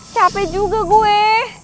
capek juga gue